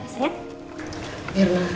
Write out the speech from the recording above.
sebentar ya sayang